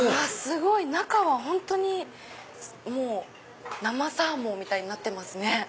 中は本当に生サーモンみたいになってますね。